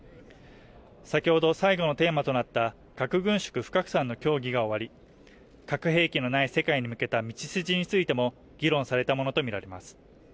先ほど最後のテーマとなった核軍縮不拡散の協議が終わり、核兵器のない世界に向けた道筋についても議論されたものとみられます。